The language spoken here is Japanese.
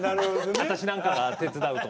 私なんかが手伝うと。